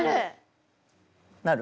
なる！